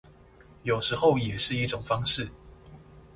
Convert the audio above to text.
有時候也是一種方式